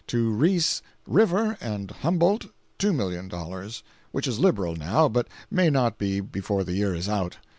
To Reese River and Humboldt $2,000,000, which is liberal now, but may not be before the year is out.